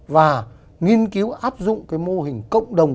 và nghiên cứu áp dụng mô hình cộng đồng